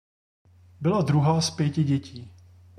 Byla druhá z pěti dětí.